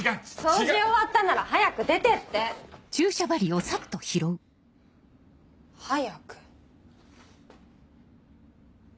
掃除終わったなら早く出てって！早く。